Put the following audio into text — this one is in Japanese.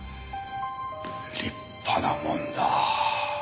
立派なもんだ。